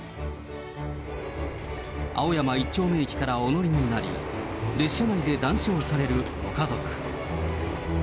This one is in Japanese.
青山一丁目駅からお乗りになり、列車内で談笑されるご家族。